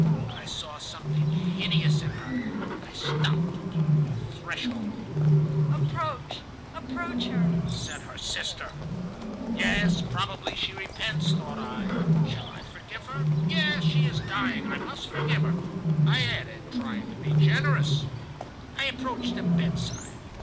I saw something hideous in her. I stopped upon the threshold. "'Approach, approach her,' said her sister. "'Yes, probably she repents,' thought I; 'shall I forgive her? Yes, she is dying, I must forgive her,' I added, trying to be generous. "I approached the bedside.